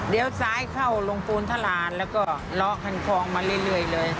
เดี๋ยวซ้ายเข้าลงปูนทรานแล้วก็ล้อคันคลองมาเรื่อยเลย